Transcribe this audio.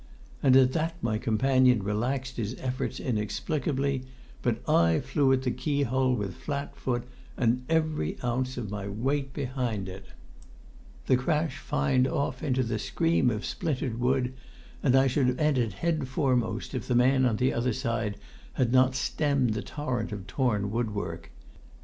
And at that my companion relaxed his efforts inexplicably, but I flew at the key hole with flat foot and every ounce of my weight behind it; the crash fined off into the scream of splintered wood, and I should have entered head foremost if the man on the other side had not stemmed the torrent of torn woodwork.